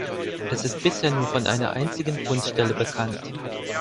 Es ist bisher nur von einer einzigen Fundstelle bekannt.